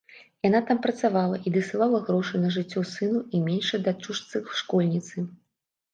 Яна там працавала і дасылала грошы на жыццё сыну і меншай дачушцы-школьніцы.